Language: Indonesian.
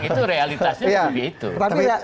itu realitasnya lebih itu